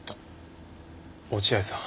落合さん。